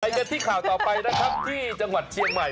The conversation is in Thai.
กันที่ข่าวต่อไปนะครับที่จังหวัดเชียงใหม่